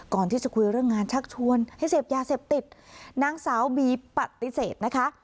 ก่อนที่จะคุยเรื่องงานชักชวนให้เสพยาเสพติดนางสาวบีปฏิเสธนะคะ